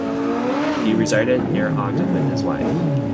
He resided near Ogden with his wife.